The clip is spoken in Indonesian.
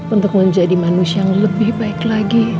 untuk menjadi manusia yang lebih baik lagi